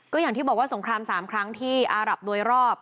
ก็อย่างที่บอกว่าสงคราม๓ครั้งที่อารับโดยรอบ